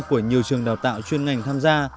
của nhiều trường đào tạo chuyên ngành tham gia